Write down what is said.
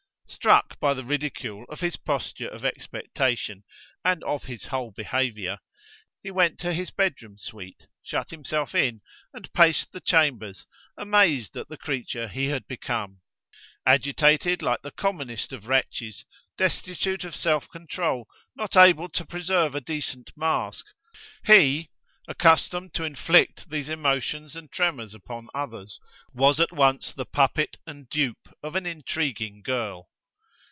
Struck by the ridicule of his posture of expectation, and of his whole behaviour, he went to his bedroom suite, shut himself in, and paced the chambers, amazed at the creature he had become. Agitated like the commonest of wretches, destitute of self control, not able to preserve a decent mask, be, accustomed to inflict these emotions and tremours upon others, was at once the puppet and dupe of an intriguing girl.